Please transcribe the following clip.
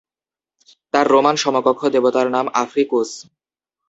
তার রোমান সমকক্ষ দেবতার নাম আফ্রিকুস।